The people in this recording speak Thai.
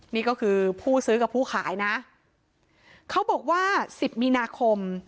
นี่ก็คือผู้ซื้อกับผู้ขายนะเขาบอกว่าสิบมีนาคม